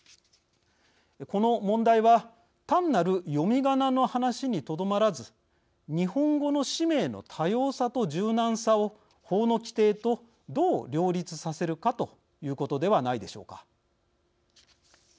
この問題は単なる読みがなの話にとどまらず日本語の氏名の多様さと柔軟さを法の規定とどう両立させるかということではないでしょうか。